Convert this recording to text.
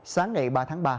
sáng ngày ba tháng ba